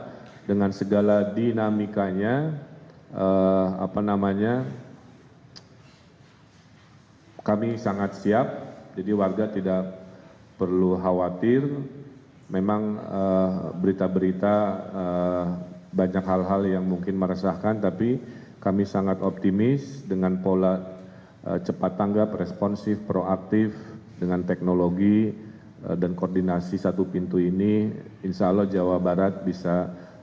dan itu adalah dengan segala dinamikanya apa namanya kami sangat siap jadi warga tidak perlu khawatir memang berita berita banyak hal hal yang mungkin meresahkan tapi kami sangat optimis dengan pola cepat tanggap responsif proaktif dengan teknologi dan koordinasi satu pintu ini insya allah jawa barat bisa membantu kami menangani masyarakat yang selalu berjuang